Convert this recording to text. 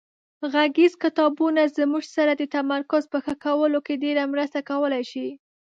غږیز کتابونه زموږ سره د تمرکز په ښه کولو کې ډېره مرسته کولای شي.